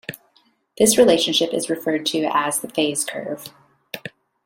This relationship is referred to as the phase curve.